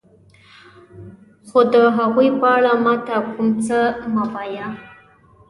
خو د هغوی په اړه ما ته کوم څه مه وایه.